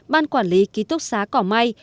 ban quản lý ký thúc xá cỏ mai